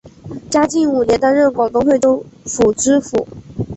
嘉靖五年担任广东惠州府知府。